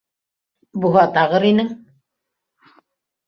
Буһа, тағыр инең!